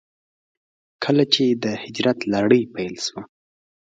کله چې د هجرت لړۍ پيل شوه.